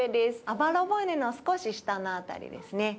あばら骨の少し下の辺りですね。